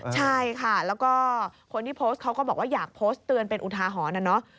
ใช่ค่ะแล้วก็คนที่โพสต์เขาก็บอกว่าอยากโพสต์เตือนเป็นอุทาหรณ์นะเนาะ